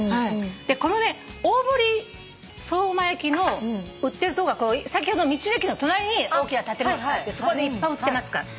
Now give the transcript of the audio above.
このね大堀相馬焼の売ってるとこは先ほどの道の駅の隣に大きな建物があってそこにいっぱい売ってますから。